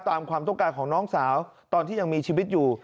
ความต้องการของน้องสาวตอนที่ยังมีชีวิตอยู่